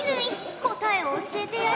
答えを教えてやれ。